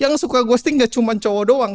yang suka ghosting gak cuma cowok doang